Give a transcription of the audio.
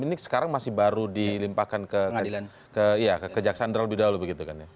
ini sekarang masih baru dilimpahkan ke kejaksanaan yang lebih dahulu begitu kan ya